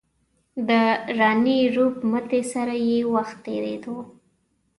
د راني روپ متي سره یې وخت تېرېدو.